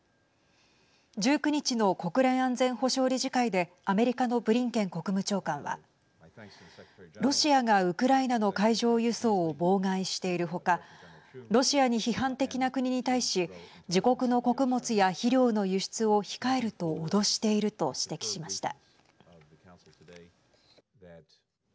１９日の国連安全保障理事会でアメリカのブリンケン国務長官はロシアがウクライナの海上輸送を妨害しているほかロシアに批判的な国に対し自国の穀物や肥料の輸出を控えると脅していると指摘しました。